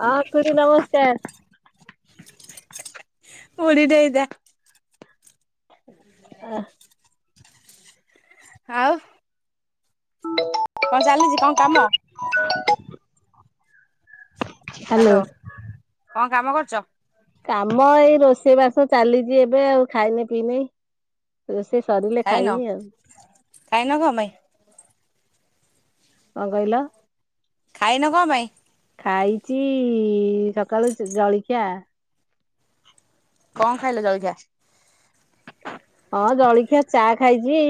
ହଁ ଖୁଡି ନମସ୍କାର। ବୁଢ଼ୀ ଟେ ହେଇଥା। ଆଃ। ଆଉ। କଣ ଚାଲିଚି କଣ କାମ? ହ୍ୟାଲୋ କଣ କାମ କରୁଚ? କାମ ଏଇ ରୋଷେଇ ବାସ ଚାଲିଚି ଏବେ ଆଉ ଖାଇନି ପିଇନେଇଁ। ରୋଷେଇ ସରିଲେ ଖାଇନ ଖାଇବି ଆଉ। ଖାଇନ କଣ ପାଇଁ? କଣ କହିଲ? ଖାଇନ କଣ ପାଇଁ? ଖାଇଚିଇ ସକାଳୁ ଜଳିଖିଆ। କଣ ଖାଇଲ ଜଳିଖିଆ? ହଁ ଜଳଖିଆ ଚା ଖାଇଚି।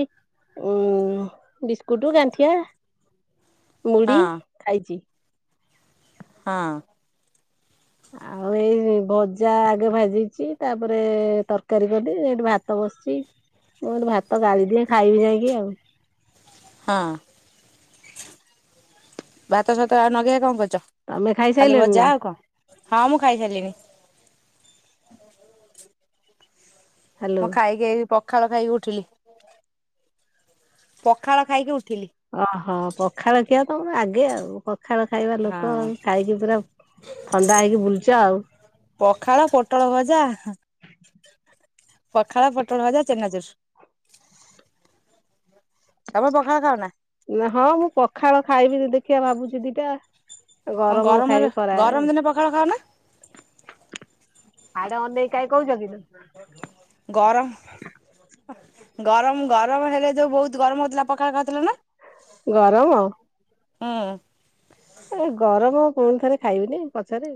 ଉଁ ବିସ୍କୁଟ ଗାଣ୍ଠିଆ ମୁଢି ହଁ ଖାଇଚି। ହଁ। ଆଉ ଏଇ ଭଜା ଆଗେ ଭାଜିଚି ତାପରେ ତରକାରୀ କଲି ସେଠି ଭାତ ବସିଚି। ମୁଁ କହିଲି ଭାତ ଗାଳିି ଦିଏ ଖାଇବି ଯାଇକି ଆଉ। ହଁ। ଭାତ ସାତ ଆଉ ନଗେଇ କଣ କରିଚ ତମେ ଖାଲି ଖାଇସାରିଲଣି ଭଜା ନା ଆଉ କଣ? ହଁ ମୁଁ ଖାଇସାରିଲିଣି। ହ୍ୟାଲୋ। ମୁଁ ଖାଇକି ଏଇ ପଖାଳ ଖାଇକି ଉଠିଲି। ପଖାଳ ଖାଇକି ଉଠିଲି। ଓହୋ ପଖାଳଖିଆ ତମର ଆଗେ ଆଉ। ପଖାଳ ଖାଇବା ଲୋକ ହଁ ଆଉ, ଖାଇକି ପୁରା ଥଣ୍ଡା ହେଇକି ବୁଲଚ ଆଉ। ପଖାଳ ପୋଟଳ ଭଜା। ପଖାଳ ପୋଟଳ ଭଜା ଚେନାଚୁର। ତମେ ପଖାଳ ଖାଉ ନା? ହଁ ମୁଁ ପଖାଳ ଖାଇବି ଦେଖିବା ଭାବୁଚି ଦିଟା। କଣ ଗରମ ଗରମରେ ଖାଇବି ଖରାବେଳେ। ଗରମ ଦିନେ ପଖାଳ ଖାଅ ନା? ଆଡେ ଅନେଇକି କାହିଁ କହୁଚ କି ଲୋ। ଗରମ ଗରମ ଗରମ ହେଲେ ଯୋଉ ବହୁତ ଗରମ ହଉଥିଲା ପଖାଳ ଖାଉଥିଲେ ନା। ଗରମ। ହୁଁ। ଏ ଗରମ ପୁଣି ଥରେ ଖାଇବିନି ପଛରେ।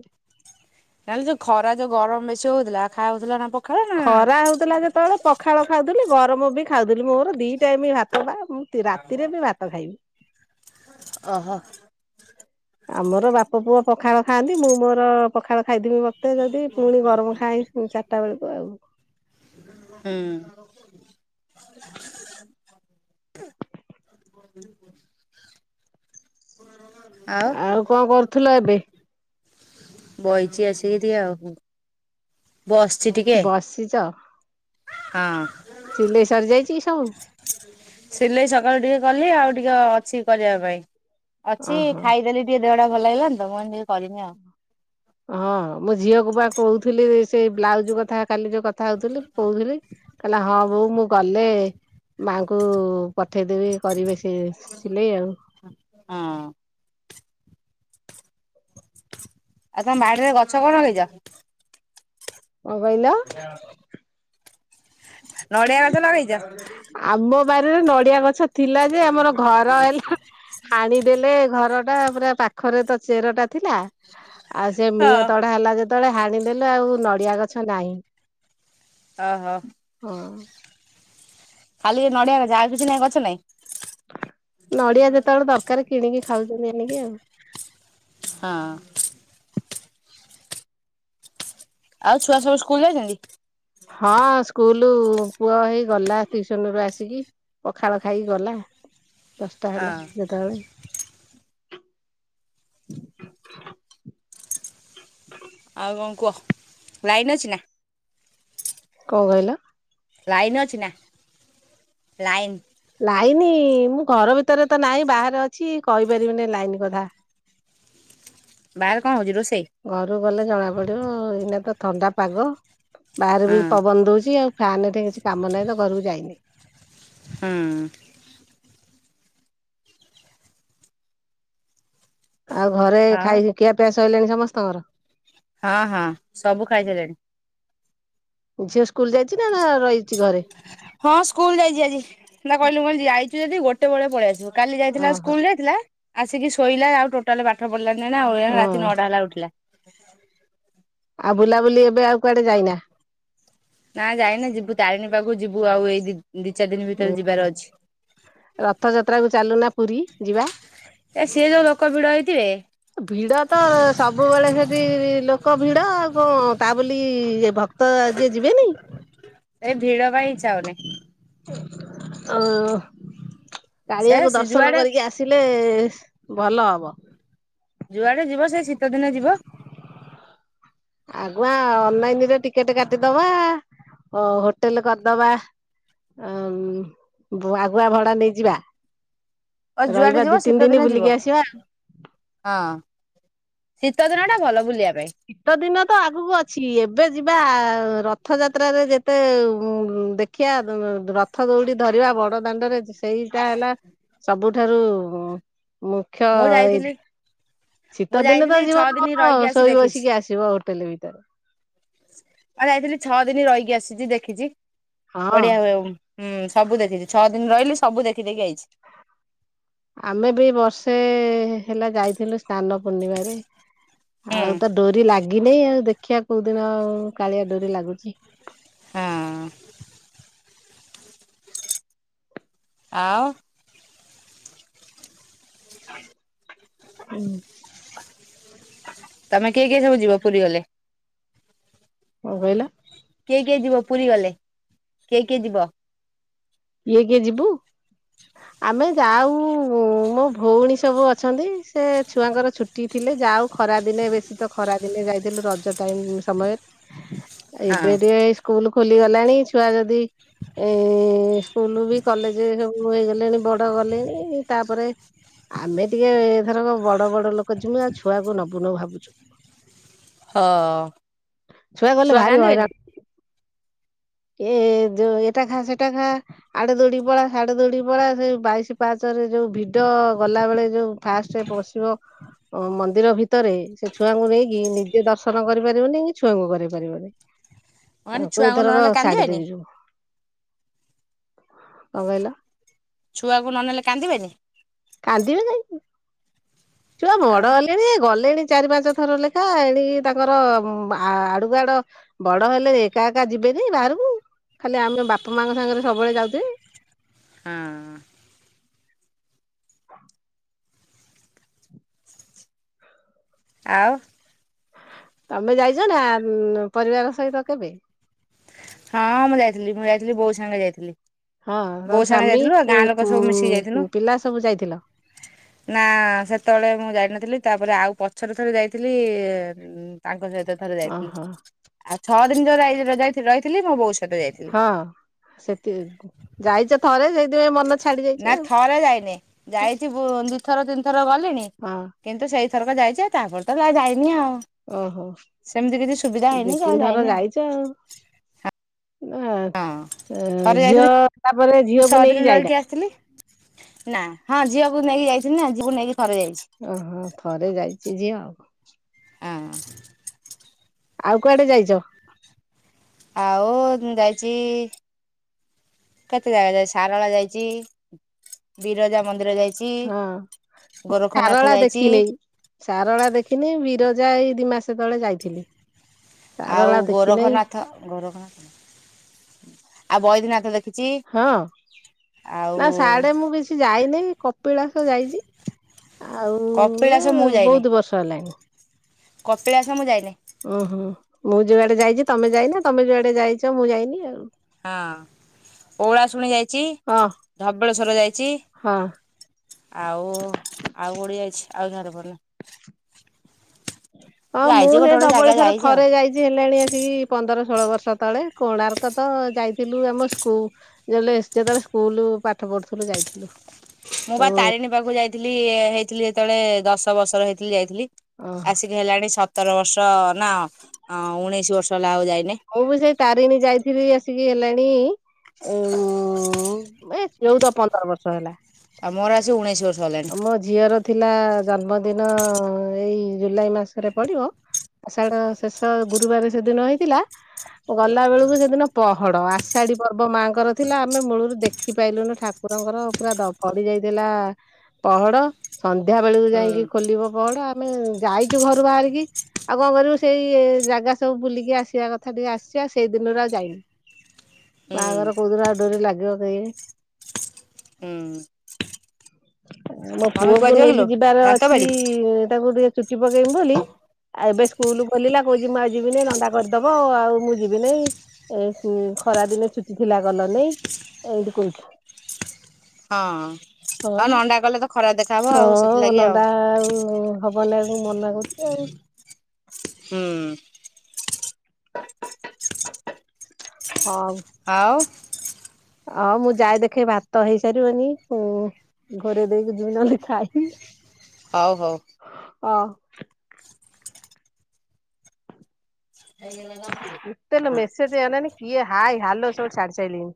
କାଲି ଯୋଉ ଖରା ଯୋଉ ଗରମ ବେଶୀ ହଉଥିଲା ଖାଉ ଥିଲ ନା ପଖାଳ ନା? ଖରା ହଉଥିଲା ଯେତେବେଳେ ପ ପଖାଳ ଖାଉଥିଲି ଗରମ ବି ଖାଉଥିଲି ମୋର ଦି ଟାଇମ୍ ଭାତ ବା ମୁଁ ରାତିରେ ବି ଭାତ ଖାଇବି। ଓହୋ। ଆମର ବାପ ପୁଅ ପଖାଳ ଖାଆନ୍ତି। ମୁଁ ମୋର ପଖାଳ ଖାଇଦେବି ମତେ ଯଦି ପୁଣି ଗରମ ଖାଇ ଚାରିଟା ବେଳକୁ ଆଉ। ହୁଁ। ଆଉ ଆଉ କଣ କରୁଥିଲ ଏବେ? ବଇଚି ଆସିକି ଟିକେ ଆଉ। ବସିଛି ଟିକେ। ବସିଛ ହଁ। ସିଲେଇ ସରି ଯାଇଛି କି ସବୁ? ସିଲେଇ ସକାଳୁ ଟିକେ କଲି ଆଉ ଟିକେ ଅଛି କରିବା ପାଇଁ ଅଛି ଓହୋ ଖାଇଦେଲି ଟିକେ ଦେହଟା ଭଲ ଲାଗିଲାନି ତ ମୁଁ ଏମିତି କରିନି ଆଉ। ହଁ ମୋ ଝିଅକୁ ବା କହୁଥିଲି ସେଇ ବ୍ଲାଉଜ କଥା କାଲି ଯୋଉ କଥା ହଉଥିଲି। ମୁଁ କହୁଥିଲି। କହିଲା ହଁ ବୋଉ ମୁଁ ଗଲେ ମାଆଙ୍କୁ ପଠେଇଦେବି କରିବେ ସିଏ ସିଲେଇ ଆଉ। ହଁ। ଆଉ ତମ ବାଡିରେ ଗଛ କଣ ଲଗେଇଛ? କଣ କହିଲ? ହଁ। [unintelligible] ନଡିଆ ଗଛ ଲଗେଇଛ? ଆମ ବାରିରେ ନଡିଆ ଗଛ ଥିଲା ଯେ ଆମର ଘର ହେଲା ହାଣି ଦେଲେ ଘର ଟା ପୁରା ପାଖରେ ତ ଚେର ଟା ଥିଲା ଆଉ ସେ ହଁ। ମିଅଁ ତଢା ହେଲା ଯେ ଯେତେବେଳେ ହାଣିଦେଲୁ ଆଉ ନଡ଼ିଆ ଗଛ ନାହିଁ। ଓ ହୋ। ହଁ। ଖାଲି ଏ ନଡିଆ ଗଛ ଆଉ କିଛି ନାହିଁ ଗଛ ନାଇଁ? ନଡିଆ ଯେତେବେଳେ ଦରକାର କିଣିକି ଖାଉଛନ୍ତି ଆଣିକି ଆଉ। ହଁ। ଆଉ ଛୁଆ ସବୁ ସ୍କୁଲ ଯାଇଛନ୍ତି? ହଁ ସ୍କୁଲ ପୁଅ ହେଇ ଗଲା ଟିଉସନ ରୁ ଆସିକି। ପଖାଳ ଖାଇକି ଗଲା ଦଶଟା ହେଲା ହଁ ଯେତେବେଳେ ଆଉ କଣ କୁହ ଲାଇନ୍ ଅଛି ନା? କଣ କହିଲ? ଲାଇନ୍ ଅଛି ନା ଲାଇନ୍। ଲାଇନ ମୁଁ ଘର ଭିତରେ ତ ନାହିଁ ବାହାରେ ଅଛି। କହିପାରିବିନି ଲାଇନ କଥା। ବାହାରେ କଣ ହେଉଛି ରୋଷେଇ? ଘରୁ ଗଲେ ଜଣା ପଡିବ ଏଇନା ତ ଥଣ୍ଡା ପାଗ ବାହାରେ ହଁ ବି ପବନ ଦଉଛି ଆଉ। ଫ୍ୟାନ ରେ କିଛି କାମ ନାହିଁ ତ ଘରକୁ ଯାଇନି। ହୁଁ। ଆଉ ଘରେ ଆଉ ଖାଇ ଖିଆ ପିଆ ସଇଲାଣି ସମସ୍ତଙ୍କର? ହଁ ହଁ ସବୁ ଖାଇସାଇଲେଣି। ଝିଅ ସ୍କୁଲ ଯାଇଚି ନା ନା ରହିଚି ଘରେ? ହଁ ସ୍କୁଲ ଯାଇଛି ଆଜି ନା କହିଲୁ କହିଲି ଯାଇଚୁ ଯଦି ଗୋଟେ ବେଳେ ପଳେଇ ଆସିବୁ। କାଲି ଯାଇଥିଲା ଓହୋ ସ୍କୁଲ ଯାଇଥିଲା ଆସିକି ଶୋଇଲା ଆଉ ଟୋଟା ଟୋଟାଲ ପାଠ ପଢ଼ିଲାନି ନା ହଁ [unintelligible] ରାତି ନଅଟା ହେଲା ଉଠିଲା। ଆଉ ବୁଲାବୁଲି ଏବେ ଆଉ କୁଆଡେ ଯାଇନା। ନା ଯାଇନି ଯିବୁ ତାରିଣୀ ପାଖକୁ ଯିବୁ ଆଉ ଏଇ ଦି ଦିଚାରି ଦିନ ଭିତରେ ଯିବାର ଅଛି। ରଥ ଯାତ୍ରା କୁ ଚାଲୁନା ପୁରୀ ଯିବା। ଏ ସିଏ ଯୋଉ ଲୋକ ଭିଡ ହେଇଥିବେ। ଭିଡ ତ ସବୁବେଳେ ସେଠି ଲୋକ ଭିଡ ଆଉ କଣ ତା ବୋଲି ଭକ୍ତ କ୍ତ ଯିଏ ଯିବେନି। ଏ ଭିଡ ପାଇଁ ଇଚ୍ଛା ହଉନି। ଓ କାଳିଆକୁ ସେ ଦର୍ଶନ ଯୁଆଡେ କରିକି ଆସେ ସିଲେ ଭଲ ହବ। ଯୁଆଡେ ଯିବ ସେ ଶୀତ ଦିନେ ଯିବ ଆଗୁଆ ଅନଲାଇନରେ ଟିକେଟ କାଟିଦବା ହୋ ହୋଟେଲ କରିଦବା ଆମ୍ ଆଗୁଆ ଭଡା ନେଇଯିବା। ଆ ଯୁଆଡେ ରହିବା ଯିବ ଦି ତିନି ଶୀତ ଦିନ ଦିନେ ଯିବ। ବୁଲିକି ଆସିବା ହଁ ଶୀତ ଦିନ ଟା ଭଲ ବୁଲିବା ପାଇଁ। ଶୀତ ଦିନ ତ ଆଗୁକୁ ଅଛି ଏବେ ଯିବା ରଥଯାତ୍ରାରେ ଯେତେ ଦେଖ ଦେଖିଆ ର ରଥ ଦୌଡି ଧରିବା ବଡ ଦାଣ୍ଡରେ ସେଇଟା ହେଲା ସବୁଠାରୁ ମୁଖ୍ୟ ମୁଁ ଇ ଯାଇଥିଲି ମୁଁ ଶୀତ ଦିନ ଯାଇଥିଲି ଛଅ ଦିନ [unintelligible] ଶୋଇ ବସିକି ଆସିବ ହୋଟେଲ ଭିତରେ। ଆ ଯାଇଥିଲି ଛଅ ଦିନ ରହିକି ଆସିଛି ଦେଖିଛି ହଁ ବଢିଆ ହୁଏ ଓମ୍ ହୁଁ ସବୁ ଦେଖିଛି। ଛଅ ଦିନି ରହିଲି ସବୁ ଦେଖିଦେଇକି ଆଇଚି। ଆମେ ବି ବର୍ଷେ ହେଲା ଯାଇଥିଲୁ ସ୍ନାନ ପୂର୍ଣ୍ଣିମାରେ ହୁଁ। ଆଉ ତ ଡୋରି ଲାଗି ଲାଗିନି ଆଉ ଦେଖିବା କୋଉ ଦିନ ଆଉ କାଳିଆ ଡୋରି ଲାଗୁଚି। ହୁଁ ଆଉ ହୁଁ ତମେ କିଏ କିଏ ସବୁ ଯିବ ପୁରୀ ଗଲେ। କଣ କହିଲ? କିଏ କିଏ ଯିବ ପୁରୀ ଗଲେ କିଏ କିଏ ଯିବ? କିଏ କିଏ ଯିବୁ? ଆମେ ଯାଉ ମୋ ଭଉଣୀ ସବୁ ଅଛନ୍ତି ସେ ଛୁଆଙ୍କର ଛୁ ଛୁଟି ଥିଲେ ଯାାଉ ଖରା ଦିନେ ବେଶୀ ତ ଖରା ଦିନେ ଯାଇଥିଲୁ ରଜ ଟାଇମ ସମୟରେ ହଁ ଏବେ ଟିକେ ଏ ସ୍କୁଲ ଖୋଲିଗଲାଣି ଛୁଆ ଯଦି ଏ ସ୍କୁଲ ବି କଲେଜ ସବୁ ହେଇଗଲେଣି ବଡ ଗଲେଣି ତାପରେ ଆମେ ଟିକେ ଏ ଥରକ ବଡ ବଡ ଲୋକ ଯିମୁ ଆଉ ଛୁଆକୁ ନବୁନୁ ଭାବୁଛୁ। ହଁ ଗଲେ ଛୁଆ ଭାରି କାନ୍ଦିବେନି? ହଇରାଣ ଏ ଯୋ ଏଟା ଖା ସେଟା ଖା। ଆଡେ ଦୋଡିକି ପଳା ହାଡେ ଦୋଡିକି ପଳା ସେଇ ବାଇଶି ପାଚରେ ଯୋଉ ଭିଡ ଗଲା ବେଳେ ଯୋଉ ଫାଷ୍ଟରେ ପଶିବ ଅ ମନ୍ଦିର ଭିତରେ ସେ ଛୁଆଙ୍କୁ ନେଇକି ନିଜେ ଦର୍ଶନ କରିପାରିବନି କି ଛୁଆଙ୍କୁ କରି ପାରିବନି। ମୁଁ କହିନି ଆଉ କୁ ଛୁଆଙ୍କୁ ଏଥରକ ନହେଲେ ଛାଡି କାନ୍ଦିବେନି ଦେଇଦେବି। କଣ କହିଲ? ଛୁଆଙ୍କୁ ନ ନେଲେ କାନ୍ଦିବେନି। କାନ୍ଦିବେ ନେହିଁ। ଛୁଆ ବଡ ଆଉ ହେଲେଣି ଗଲେଣି ଚାରି ପାଞ୍ଚ ଥର ଲେଖା ଏଣିକି ତାଙ୍କର ଆ ଆଡୁକୁ ଆଡ ବଡ ହେଲେ ଏକା ଏକା ଯିବେନି ବାହାରକୁ ଖାଲି ଆମ ବାପା ମାଙ୍କ ସାଙ୍ଗରେ ସବୁବେଳେ ଯାଉଥିବେ। ହଁ। ଆଉ। ତମେ ଯାଇଛ ନା ପରିବାର ଉଁ ସହିତ କେବେ? ହଁ ମୁଁ ଯାଇଥିଲି ମୁଁ ଯାଇଥିଲି ବୋଉ ସାଙ୍ଗେ ଯାଇଥିଲି। ହଁ ତମ ବୋଉ ସାଙ୍ଗେ ସ୍ଵାମୀ ଯାଇଥିଲୁ ଆଉ ଗାଁ ଲୋକ ସବୁ ମିଶିକି ଯାଇଥିଲୁ। ଉ ପିଲା ସବୁ ଯାଇଥିଲ? ନା ସେତେବେଳେ ମୁଁ ଯାଇନଥିଲି ତାପରେ ଆଉ ପଛରେ ଥରେ ଯାଇଥିଲି। ତାଙ୍କ ସହିତ ଥରେ ଯାଇଥିଲି ଓହୋ ଆଉ ଛଅ ଦିନି ଯୋ ଯାଇ ଯାଇ ରହିଥିଲି ମୋ ବୋଉ ସ ହଁ ସେଥିରେ ଯାଇଛ ଥରେ ସେଇଥିପାଇଁ ମନ ଛାଡି ନା ଯାଇଛି ଆଉ। ଥରେ ଯାଇନି। ଯାଇଛି ଭୁ ଦୁଥର ତିନି ଥର ଗଲିଣି। ହଁ। କିନ୍ତୁ ସେଇଥରକ ଯାଇଚି ତାପରେ ତ ଯାଇନି ଆଉ। ଓହୋ ସେମିତି କିଛି ସୁବିଧା ଦି ହେଇନି କି ଆଉ ତିନି ଯାଇନି ଆଉ। [unintelligible] ଆ ହଁ ଥରେ ଯାଇଥିଲି ଝିଅ ତାପରେ ଛଅ ଝିଅକୁ ଦିନ ନେଇକି ରହିକି ଯାଇନା। ଆସିଥିଲି ନା ହଁ ଝିଅକୁ ନେଇକି ଯାଇଥିନା ଝିଅ ନେଇକି ଥରେ ଯାଇଛି। ଓହୋ ଥରେ ଯାଇଚି ଝିଅ ଆଉ କଣ। ଆଁ। ଆଉ କୁଆଡେ ଯାଇଚ? ଆଉ ଯାଇଚି କେତେ ଜାଗା ଯାଇଛି ସାରଳା ଯାଇଚି ବିରଜା ମନ୍ଦିର ଯାଇ ହଁ ମୁଁ ସାରଳା ଯାଇଛି ଦେଖିନେଇ। ସାରଳା ଦେଖିନି ବିରଜା ଏଇ ଦି ମାସ ତଳେ ଯାଇଥିଲି। ଆଉ ସାରଳା ଦେଖିନାଇ ଗୋରଖନାଥ ଗୋରଖନାଥ ଆଉ ବୈଦ୍ୟିନାଥ ଦେ ହଁ ନା ସାଆଡେ଼ ମୁଁ ବେଶୀ ଯାଇନି କପିଳାସ ଯାଇଚି। ଆଉ ଏ କପିଳାସ ମୁଁ ଯାଇନି ବହୁତ ବର୍ଷ ହେଲାଣି। କପିଳାସ ମୁଁ ଯାଇନି। ଓହୋ ମୁଁ ଯୁଆଡେ ଯାଇଚି ତମେ ଯାଇନା ତମେ ଯୁଆଡେ ଯାଇଚ ମୁଁ ଯାଇନି ଆଉ। ହଁ ଓଳା ଶୁଣି ଯାଇଚି ହଁ ଧବଳେଶ୍ୱର ଯାଇଚି। ହଁ ଆଉ ଆଉ ଓଳି ଆଇଛି ଆଉ ଝରପରେ। ହଁ ମୁଁ ଯାଇଛି ସେ ଗୋଟେ ଗୋଟେ ଜାଗା ଧବଳେଶ୍ଵର ଯାଇଛି ଆଉ ଥରେ ଯାଇଚି ହେଲାଣି ଆସିକି ପନ୍ଦର ଷୋହଳ ବର୍ଷ ତଳେ କୋଣାର୍କ ତ ଯାଇଥିଲୁ ଆମ ସ୍କୁ ଯେଲେ ଯେତେବେଳେ ସ୍କୁଲ ପାଠ ପଢୁଥିଲୁ ଯାଇଥିଲୁ। ମୁଁ ଓ ବା ତାରିଣୀ ପାଖକୁ ଯାଇଥିଲି ହେଇଥିଲି ଯେତେବେଳେ ଦଶ ବର୍ଷର ହେଇଥିଲି ଯାଇଥିଲି ଆସି। ହେଲାଣି ସତର ବର୍ଷ-ଅ-ଅ ନା ଆ-ଆ ଉଣେଇଶି ବର୍ଷ ହେଲା ଆଉ ଯାଇନି। ମୁଁ ବି ସେଇ ତାରିଣୀ ଯାଇଥିଲି ଆସିକି ହେଲାଣି-ଇ-ଇ ଉ-ଉ-ଉ ଏ ଚଉନ୍ଦ ପନ୍ଦର ବର୍ଷ ହେଲା। ଆମ ଘର ଆସିକି ଉଣେଇସି ବର୍ଷ। ହେଲାଣି। ମୋ ଝିଅର ଥିଲା-ଆ-ଆ ଜନ୍ମଦିନ-ଅ-ଅ-ଅ ଏଇ ଜୁଲାଇ ମାସରେ ପଡିବ ଆଷାଢ ଶେଷ ଗୁରୁବାର ସେଦିନ ହେଇଥିଲା ଗଲା ବେଳକୁ ସେଦିନ ପହଡ ଆଷାଢୀ ପର୍ବ ମାଆଙ୍କର ଥିଲା ଆମେ ମୂଳରୁ ଦେଖ ଦେଖି ପାଇଲୁନୁ ଠାକୁରଙ୍କର ପୁରା ଦ ପଡି ଯାଇଥିଲା-ଆ-ଆ-ଆ ପହଡ ସନ୍ଧ୍ୟା ବେଳକୁ ହୁଁ ଯାଇକି ଖୋଲିବ ପହଡ ଆମେ ଯାଇଛୁ ଘରୁ ବାହାରିକି ଆଉ କଣ କରିବୁ ସେଇ-ଇ-ଇ ଜାଗା ସବୁ ବୁଲିକି ଆସିବା କଥା ଟିକେ ଆସିଚୁ ସେଇ ଦିନରୁ ଆଉ ଯାଇନୁ। ହୁଁ ବାହାଘର କୋଉଦିନ ଆ ଡୋରି ଲାଗିବ କେଜାଣି ହୁଁ। ମୋ ମମି ପୁଅ କୁଆଡେ କୁ ଯିବ କିଲୋ ନେଇକି ଯିବାର ଦାନ୍ତ ବାଡି ଅଛି-ଇ-ଇ-ଇ ତାକୁ ଟିକେ ଚୁଟି ପକେଇବି ବୋଲି ଆଉ ଏବେ ସ୍କୁଲ ଖୋଲିଲା କହୁଛି ମୁଁ ଆଉ ଯିବିନି ନଣ୍ଡା କରିଦବ-ଅ-ଅ ଆଉ ମୁଁ ଯିବି ନାଇ। ଏ ଉ ଖରା ଦିନେ ଛୁଟି ଥିଲା ଗଲ ନାଇ ଏମିତି କହୁଛି। ହଁ। ହଁ ବା ନଣ୍ଡା କଲେ ତ ଖରାପ ଦେଖାହବ ଆଉ ହଁ ସେଥିଲାଗି ଆଉ ନଣ୍ଡା-ଆ-ଆ-ଆ ଆଉ ହବନା ଆକୁ ମନା କୁଛିି ଆଉ। ହୁଁ-ଉ। ହଁଉ। ଆଉ? ଆଉ ମୁଁ ଯାଏ ଦେଖେ ଭାତ ହେଇସାରିବନି ହୁଁ। ଘୋରେଇ ଦେଇକି ଯିବି ନହେଲେ ଖାଇବି। ହଉ ହଉ। ଅ [unintelligible] କେତେ ଲୋ ମେସେଜ୍ ଅନାନି କିଏ ହାଏ ହାଲୋ ସବୁ ଛାଡି ସାଇଲେଇ।